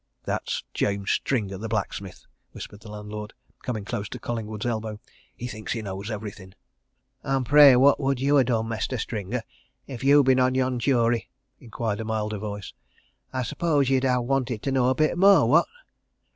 "That's James Stringer, the blacksmith," whispered the landlord, coming close to Collingwood's elbow. "He thinks he knows everything!" "And pray, what would you ha' done, Mestur Stringer, if you'd been on yon jury?" inquired a milder voice. "I suppose ye'd ha' wanted to know a bit more, what?"